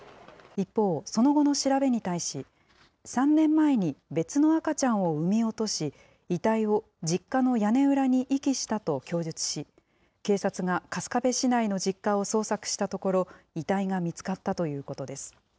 一方、その後の調べに対し、３年前に別の赤ちゃんを産み落とし、遺体を実家の屋根裏に遺棄したと供述し、警察が春日部市内の実家を捜索したところ、遺体が見つかったということです。